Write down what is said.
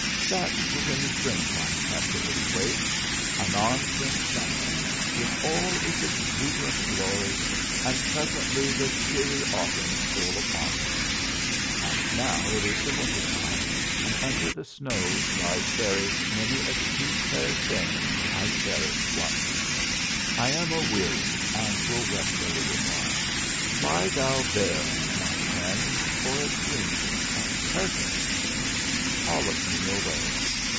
That was in the springtime, Captivity Waite; anon came summer, with all its exuberant glory, and presently the cheery autumn stole upon me. And now it is the winter time, and under the snows lies buried many a sweet, fair thing I cherished once. I am aweary and will rest a little while; lie thou there, my pen, for a dream a pleasant dream calleth me away.